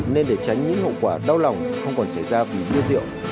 nên để tránh những hậu quả đau lòng không còn xảy ra vì bia rượu